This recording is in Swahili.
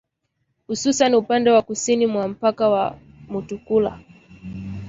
Hususan upande wa kusini mwa mpaka wa Mutukula.